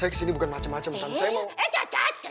hah saya kesini bukan macem macem tante saya mau